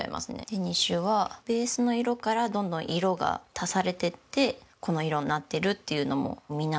デニッシュはベースの色からどんどん色が足されてってこの色になってるっていうのも見ながら。